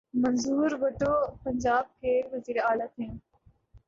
منظور وٹو پنجاب کے وزیر اعلی تھے۔